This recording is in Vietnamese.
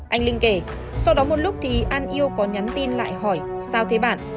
anh linh kể sau đó một lúc thì an yêu có nhắn tin lại hỏi sao thế bạn